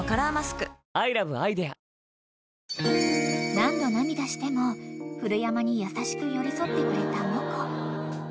［何度涙しても古山に優しく寄り添ってくれたモコ］